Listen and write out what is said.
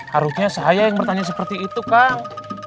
harusnya saya yang bertanya seperti itu kang